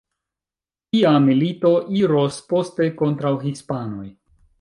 Tia milito iros poste kontraŭ hispanoj.